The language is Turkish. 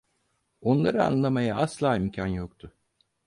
Onları anlamaya asla imkan yoktu.